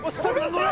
乗れ。